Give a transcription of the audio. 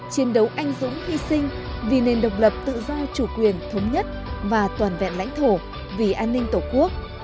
chiến đấu anh dũng hy sinh vì nền độc lập tự do chủ quyền thống nhất và toàn vẹn lãnh thổ vì an ninh tổ quốc